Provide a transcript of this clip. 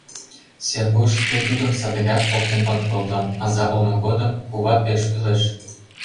Сергуш, тый тудым садыгак поктен от колто: аза улмо годым кува пеш кӱлеш.